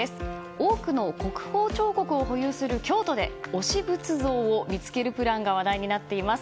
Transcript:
多くの国宝彫刻を保有する京都で推し仏像を見つけるプランが話題になっています。